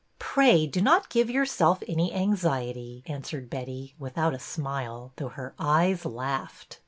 " Pray do not give yourself any anxiety," an swered Betty, without a smile, though her eyes laughed.